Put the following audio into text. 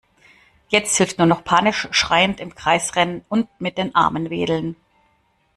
Jetzt hilft nur noch panisch schreiend im Kreis rennen und mit den Armen wedeln.